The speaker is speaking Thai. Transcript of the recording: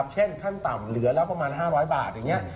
ขั้นต่ำเหลือแล้วประมาณ๕๐๐บาทอย่างนี้